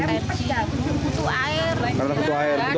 banjirnya waktu itu sempat berapa meter